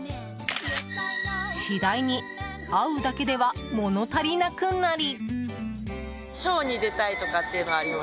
次第に会うだけでは物足りなくなり。